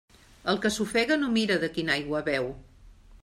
El que s'ofega no mira de quina aigua beu.